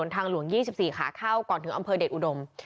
ทางหลวง๒๔ขาเข้าก่อนถึงอำเภอเดชอุดม